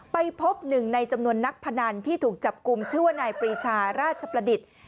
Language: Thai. ไปพบหนึ่งในจำนวนนักพนันที่ถูกจับกลุ่มชื่อว่านายปรีชาราชประดิษฐ์